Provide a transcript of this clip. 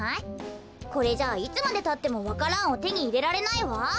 これじゃいつまでたってもわか蘭をてにいれられないわ。